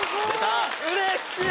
うれしい。